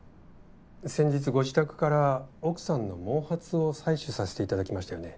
先日ご自宅から奥さんの毛髪を採取させていただきましたよね。